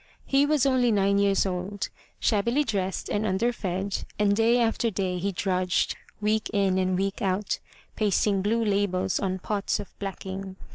He was only nine years old, shabbily dressed and under fed, and day after day he drudged, week in and week out, pasting blue labels on pots of blacking.